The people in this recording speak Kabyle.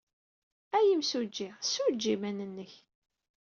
A imsujji, ssujji iman-nnek.